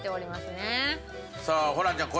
さあホランちゃん